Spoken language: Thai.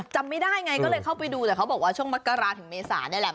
จำไม่ได้ไงก็เลยเข้าไปดูแต่เขาบอกว่าช่วงมกราถึงเมษานี่แหละ